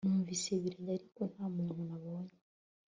Numvise ibirenge ariko nta muntu nabonye